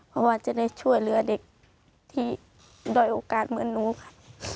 เพราะว่าจะได้ช่วยเหลือเด็กที่ด้อยโอกาสเหมือนหนูค่ะ